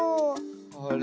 あれ？